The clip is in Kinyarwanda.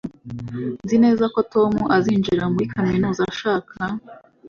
nzi neza ko tom azinjira muri kaminuza ashaka